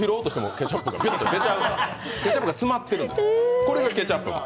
ケチャップが詰まってるんです、これがケチャップマン。